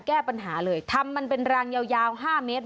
แก้ปัญหาเลยทำมันเป็นรางยาว๕เมตร